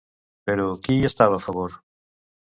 Però qui hi estava a favor?